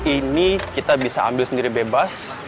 ini kita bisa ambil sendiri bebas